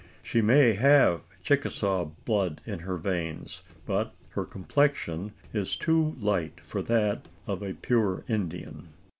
She may have Chicasaw blood in her veins; but her complexion is too light for that of a pure Indian.